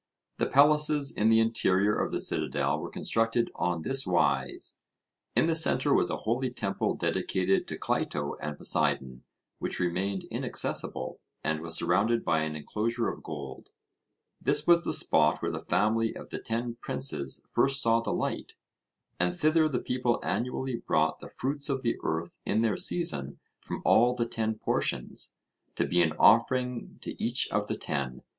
The palaces in the interior of the citadel were constructed on this wise: In the centre was a holy temple dedicated to Cleito and Poseidon, which remained inaccessible, and was surrounded by an enclosure of gold; this was the spot where the family of the ten princes first saw the light, and thither the people annually brought the fruits of the earth in their season from all the ten portions, to be an offering to each of the ten.